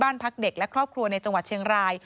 พักเด็กและครอบครัวในจังหวัดเชียงราย